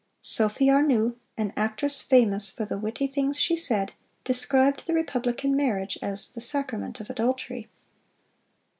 Sophie Arnoult, an actress famous for the witty things she said, described the republican marriage as 'the sacrament of adultery.